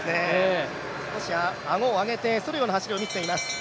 少し顎をあげて反るような走りを見せています。